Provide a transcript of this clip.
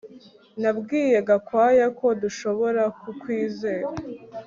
Nabwiye Gakwaya ko dushobora kukwizera